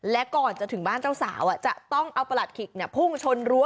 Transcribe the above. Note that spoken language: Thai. และก่อนจะถึงบ้านเจ้าสาวจะต้องเอาประหลัดขิกพุ่งชนรั้ว